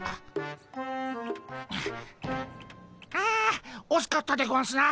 あおしかったでゴンスな。